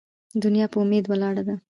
ـ دنيا په اميد ولاړه ده.